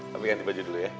tapi ganti baju dulu ya